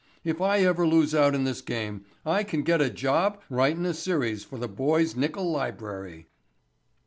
If I ever lose out in this game I can get a job writin' a series for the Boy's Nickle Library."